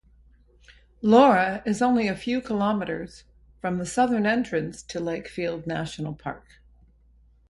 Laura is only a few kilometres from the southern entrance to Lakefield National Park.